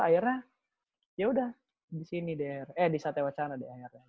akhirnya ya udah di sini deh eh di satya wacana deh akhirnya